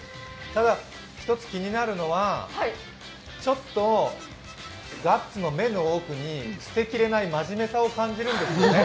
ただ、一つ気になるのはちょっとガッツの目の奥に捨てきれない真面目さを感じるんですね。